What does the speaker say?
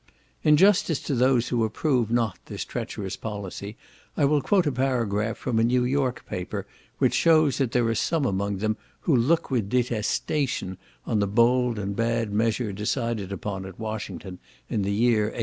In justice to those who approve not this treacherous policy, I will quote a paragraph from a New York paper, which shews that there are some among them who look with detestation on the bold bad measure decided upon at Washington in the year 1830.